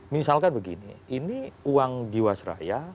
misalkan begini ini uang jiwa seraya